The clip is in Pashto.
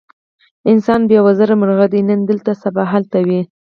انسان بې وزرو مرغه دی، نن دلته سبا هلته وي.